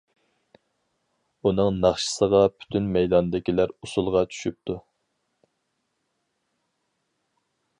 ئۇنىڭ ناخشىسىغا پۈتۈن مەيداندىكىلەر ئۇسۇلغا چۈشۈپتۇ.